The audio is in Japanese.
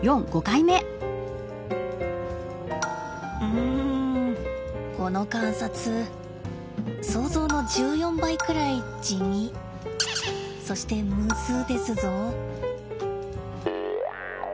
うんこの観察想像の１４倍くらい地味そしてむずですぞ？